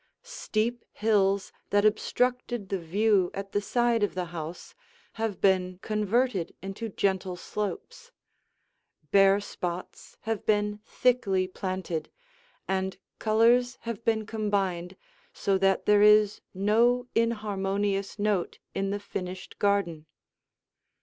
Steep hills that obstructed the view at the side of the house have been converted into gentle slopes; bare spots have been thickly planted, and colors have been combined so that there is no inharmonious note in the finished garden.